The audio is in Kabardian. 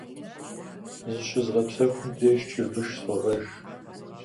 Зыщызгъэпсэхум деж чырбыш согъэж.